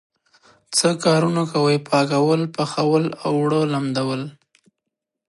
څه کارونه کوئ؟ پاکول، پخول او اوړه لمدول